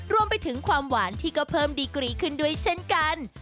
รวมไปถึงความหวานที่ก็เพิ่มดีกรีขึ้นด้วยเช่นกัน